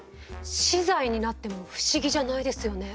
死罪になっても不思議じゃないですよね。